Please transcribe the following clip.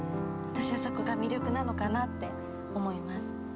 私はそこが魅力なのかなって思います。